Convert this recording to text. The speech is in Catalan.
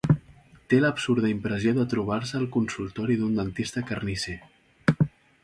Té l'absurda impressió de trobar-se al consultori d'un dentista carnisser.